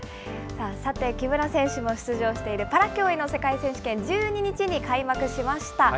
さて、木村選手も出場しているパラ競泳の世界選手権、１２日に開幕しました。